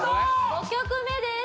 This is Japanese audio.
５曲目です